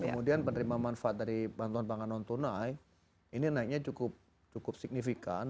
kemudian penerima manfaat dari bantuan pangan non tunai ini naiknya cukup signifikan